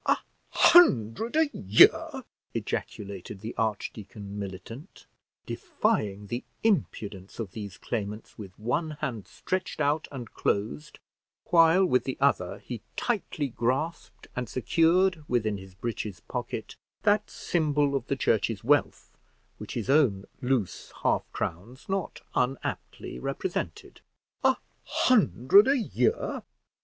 "A hundred a year!" ejaculated the archdeacon militant, defying the impudence of these claimants with one hand stretched out and closed, while with the other he tightly grasped, and secured within his breeches pocket, that symbol of the church's wealth which his own loose half crowns not unaptly represented. "A hundred a year!